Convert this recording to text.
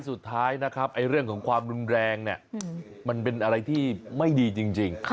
สุดท้ายนะครับเรื่องของความรุนแรงเนี่ยมันเป็นอะไรที่ไม่ดีจริง